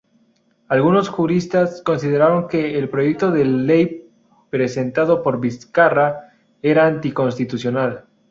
Algunos juristas consideraron que el proyecto del ley presentado por Vizcarra era anticonstitucional.